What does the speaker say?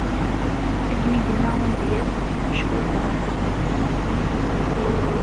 Akken i yenna umedyaz: Seg ucrured ɣer tikli.